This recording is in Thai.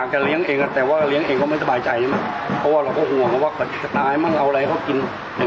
ก็นึกมาว่าจะไปพอแหวนเสีย